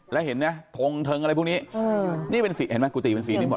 แล้วเห็นไหมทงเทิงอะไรพวกนี้นี่เป็นสีเห็นไหมกุฏิเป็นสีนี้หมด